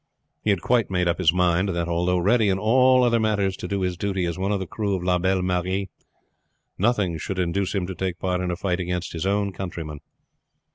He had quite made up his mind that, although ready in all other matters to do his duty as one of the crew of La Belle Marie, nothing should induce him to take part in a fight against his own countrymen.